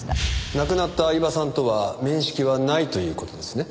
亡くなった饗庭さんとは面識はないという事ですね？